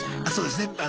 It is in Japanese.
あそうですね。